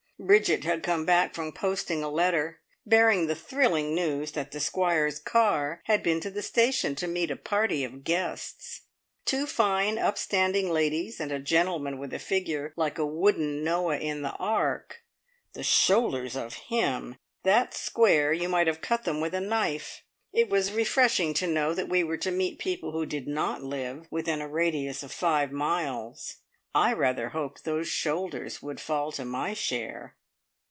Bridget had come back from posting a letter, bearing the thrilling news that the Squire's car had been to the station to meet a party of guests. Two fine, upstanding ladies, and a gentleman with a figure like a wooden Noah in the Ark. The shoulders of him! that square you might have cut them with a knife! It was refreshing to know that we were to meet people who did not live within a radius of five miles. I rather hoped those shoulders would fall to my share!